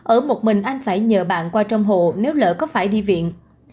ở một mình anh phải nhờ bạn qua trong hộ nếu lỡ có phải đi viện